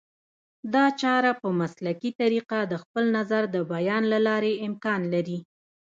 دا چاره په مسلکي طریقه د خپل نظر د بیان له لارې امکان لري